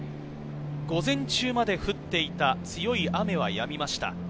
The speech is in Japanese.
午前中まで降っていた強い雨はやみました。